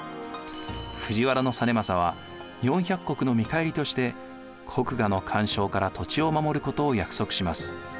藤原実政は４００石の見返りとして国衙の干渉から土地を守ることを約束します。